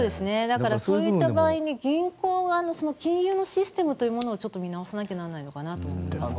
だから、そういった場合に銀行側の金融のシステムというのをちょっと見直さなきゃならないんだと思います。